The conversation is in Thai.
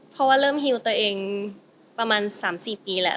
เพราะว่าเริ่มฮิวตัวเองประมาณ๓๔ปีแล้ว